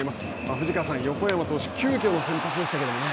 藤川さん、横山投手急きょの先発でしたけれどもね。